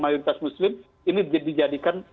mayoritas muslim ini dijadikan